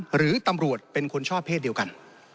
หรือตำรวจเป็นคนชอบเพศเดียวกัน